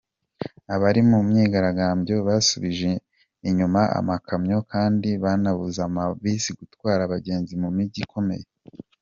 Abari mu myigaragambyo basubije inyuma amakamyo kandi banabuza amabisi gutwara abagenzi mu mijyi ikomeye.